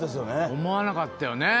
思わなかったよね。